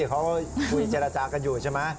พวกเขาก็คุยเจรจากันอยู่ใช่ไมืะ